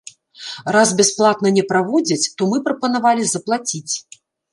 Раз бясплатна не праводзяць, то мы прапанавалі заплаціць.